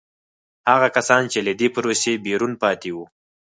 هغه کسان چې له دې پروسې بیرون پاتې وو.